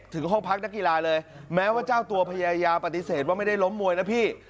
ถึงห้องพักนักกีฬาเลยแม้ว่าเจ้าตัวพยายามปฏิเสธว่าไม่ได้ล้มมวยนะพี่